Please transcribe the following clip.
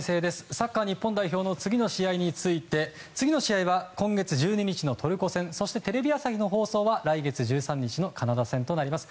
サッカー日本代表の次の試合について次の試合は今月１２日のトルコ戦そしてテレビ朝日の放送は来月１３日のカナダ戦となります。